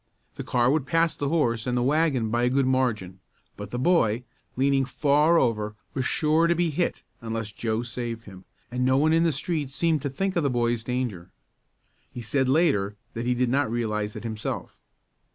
The car would pass the horse and the wagon by a good margin, but the boy, leaning far over, was sure to be hit unless Joe saved him, and no one in the street seemed to think of the boy's danger. He said later that he did not realize it himself.